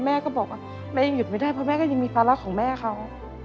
แม่ก็บอกว่าแม่ยังหยุดไม่ได้เพราะแม่ก็ยังมีภาระของแม่เขา